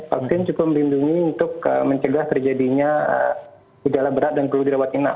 vaksin cukup melindungi untuk mencegah terjadinya gejala berat dan perlu dirawat inap